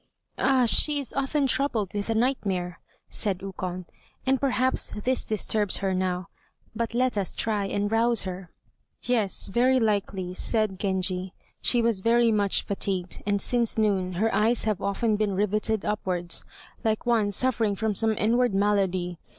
"Ah! she is often troubled with the nightmare," said Ukon, "and perhaps this disturbs her now; but let us try and rouse her." "Yes, very likely," said Genji; "she was very much fatigued, and since noon her eyes have often been riveted upwards, like one suffering from some inward malady.